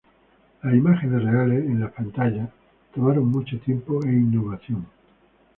Las imágenes reales en la pantallas tomaron mucho tiempo e innovación.